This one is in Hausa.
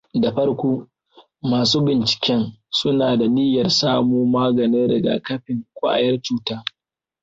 Da farko, masu binciken suna da niyyar samo maganin rigakafin kwayar cuta.